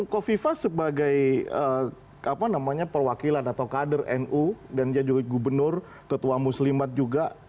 kofifa sebagai perwakilan atau kader nu dan dia juga gubernur ketua muslimat juga